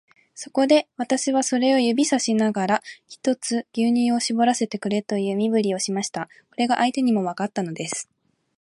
そこで、私はそれを指さしながら、ひとつ牛乳をしぼらせてくれという身振りをしました。これが相手にもわかったのです。